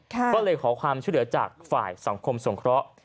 ก็เลยขอความช่วยเหลือจากฝ่ายสังคมสงเคราะห์